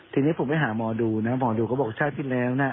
ทีนี้ผมไปหาหมอดูนะหมอดูเขาบอกชาติที่แล้วนะ